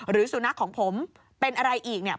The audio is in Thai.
หรือสุนัขของผมเป็นอะไรอีกเนี่ย